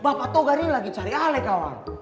bapak togari lagi cari alih kawan